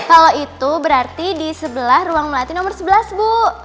kalau itu berarti di sebelah ruang melati nomor sebelas bu